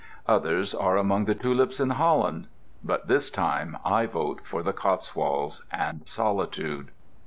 Others are among the tulips in Holland. But this time I vote for the Cotswolds and solitude.